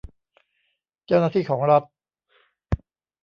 เจ้าหน้าที่ของรัฐ